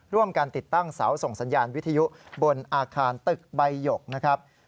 ร่วมกันติดตั้งเสาส่งสัญญาณวิทยุบนอาคารตึกใบหยกนะครับ